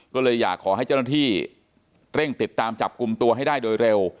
ก็เลยอยากขอให้เจ้าหน้าที่เร่งติดตามจับกลุ่มตัวให้ได้โดยเร็ว